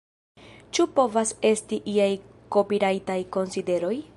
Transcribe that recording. Ĉu povas esti iaj kopirajtaj konsideroj?